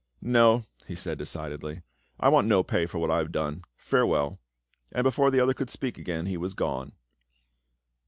" No," he said decidedly, " I want no pay for what I have done. Farewell." And before the other could speak again, he was gone.